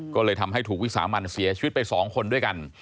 ก็เลยทำให้ถูกวิสามันเสียชีวิตไป๒คนด้วยกัน